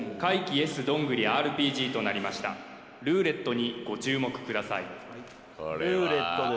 ＹｅｓどんぐりＲＰＧとなりましたルーレットにご注目ください